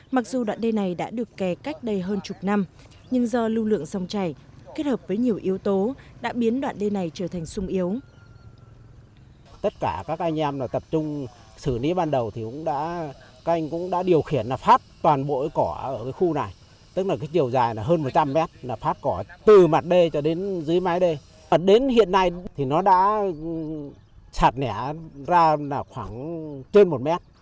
mặc dù đoạn đê này đã được kè cách đây hơn chục năm nhưng do lưu lượng sông chảy kết hợp với nhiều yếu tố đã biến đoạn đê này trở thành sung yếu